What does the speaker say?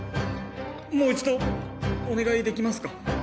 もう一度お願いできますか？